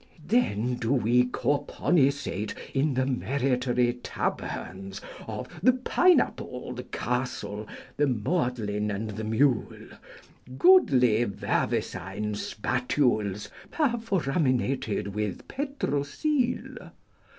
Then do we cauponisate in the meritory taberns of the Pineapple, the Castle, the Magdalene, and the Mule, goodly vervecine spatules perforaminated with petrocile.